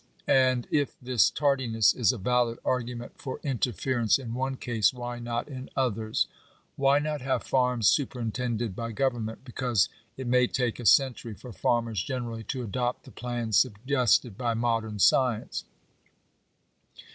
And if this tardiness is a valid argu ment for interference in one case, why not in others ? Why not have farms superintended by government, because it may take a century for farmers generally to adopt the plans sug gested by modern science